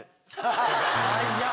早っ！